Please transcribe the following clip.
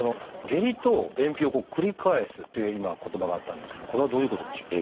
下痢と便秘を繰り返すっていう今言葉があったんですけどもこれはどういうことでしょう？